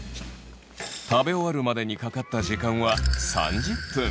食べ終わるまでにかかった時間は３０分。